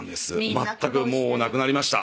全くなくなりました